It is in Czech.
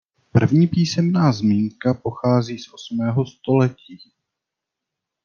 První písemná zmínka pochází z osmého století.